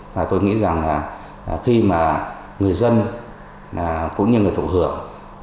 và tôi nghĩ rằng là khi mà người dân cũng như người thụ hưởng